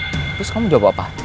terus kamu jawab apa